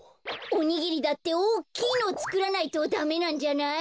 おにぎりだっておっきいのをつくらないとダメなんじゃない？